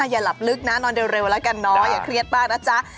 อย่าหลับลึกนะนอนเร็วแล้วกันเนาะอย่าเครียดมากนะจ๊ะ